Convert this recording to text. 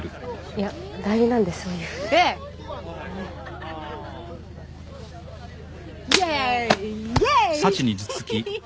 いや代理なんでそういうイエイイエーイイエイ！ひひ